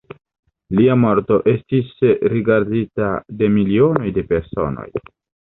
Lia morto estis rigardita de milionoj de personoj.